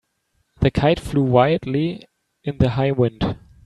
The kite flew wildly in the high wind.